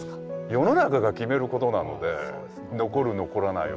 世の中が決めることなので残る残らないは。